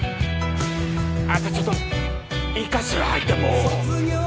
ちょっといいかしら入っても。